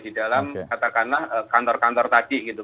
di dalam katakanlah kantor kantor tadi gitu